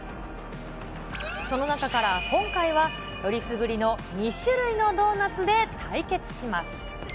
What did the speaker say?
その中から今回は、よりすぐりの２種類のドーナツで対決します。